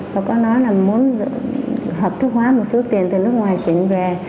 tôi có quen một người tên là long so và có nói là muốn hợp thức hóa một số tiền từ nước ngoài chuyển về